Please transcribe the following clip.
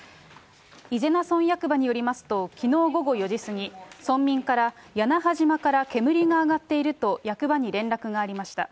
伊是名村役場によりますと、きのう午後４時過ぎ、村民からやなは島から煙が上がっていると、役場に連絡がありました。